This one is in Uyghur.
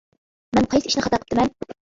-مەن قايسى ئىشنى خاتا قىپتىمەن؟ !